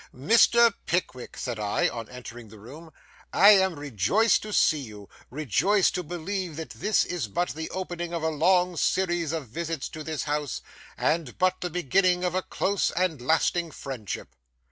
'Mr. Pickwick,' said I, on entering the room, 'I am rejoiced to see you,—rejoiced to believe that this is but the opening of a long series of visits to this house, and but the beginning of a close and lasting friendship.